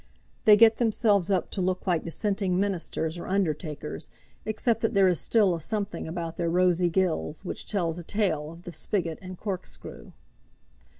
They get themselves up to look like Dissenting ministers or undertakers, except that there is still a something about their rosy gills which tells a tale of the spigot and corkscrew.